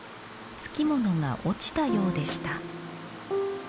つきものが落ちたようでした